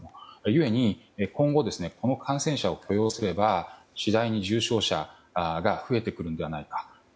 故に、今後この感染者を許容すれば次第に重症者が増えてくるのではないか。